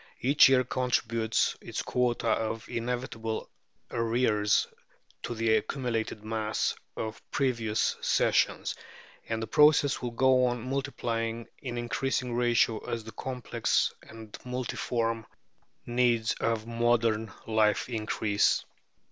Each year contributes its quota of inevitable arrears to the accumulated mass of previous Sessions, and the process will go on multiplying in increasing ratio as the complex and multiform needs of modern life increase.